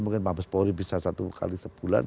mungkin mabes polri bisa satu kali sebulan